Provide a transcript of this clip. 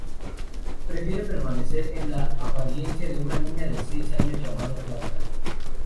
Prefiere permanecer en la apariencia de una niña de seis años llamada "Flauta".